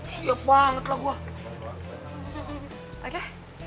siap banget lah gue